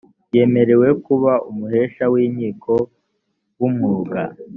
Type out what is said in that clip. yemererwe kuba umuhesha w’inkiko w’umwuga